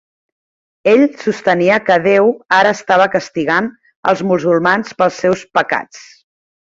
Ell sostenia que Déu ara estava castigant els musulmans pels seus pecats.